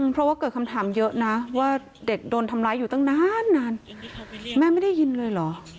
เพราะว่าเกิดคำถามเยอะนะว่าเด็กโดนทำร้ายอยู่ตั้งนานนานแม่ไม่ได้ยินเลยเหรอ